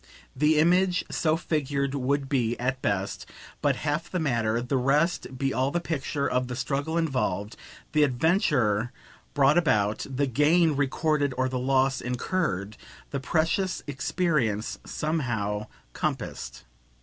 The image so figured would be, at best, but half the matter; the rest would be all the picture of the struggle involved, the adventure brought about, the gain recorded or the loss incurred, the precious experience somehow compassed.